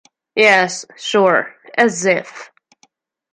Yes sure, as if.